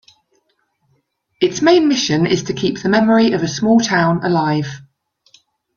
Its main mission is to keep the memory of a small town alive.